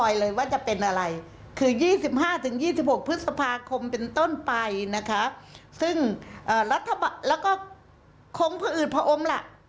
ยาวนานไปประมาณสิ้นกันยายน๒๕๖๔